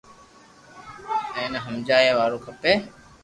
اينو ھمجايا وارو کپي